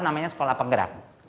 namanya sekolah penggerak